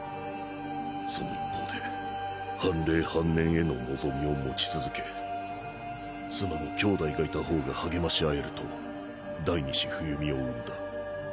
その一方で半冷半燃への望みを持ち続け妻も兄弟がいた方が励まし合えると第二子冬美を産んだ。